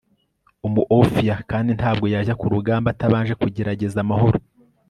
umuofia, kandi ntabwo yajya kurugamba atabanje kugerageza amahoro